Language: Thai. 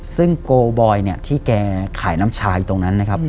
ซึ่งโกบอยเนี่ยที่แกขายน้ำชาอยู่ตรงนั้นนะครับ